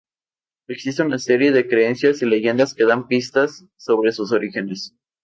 Existe una serie de creencias y leyendas que dan pistas sobre sus orígenes.